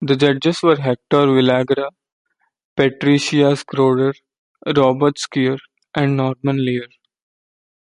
The judges were Hector Villagra; Patricia Schroeder; Robert Scheer; and Norman Lear.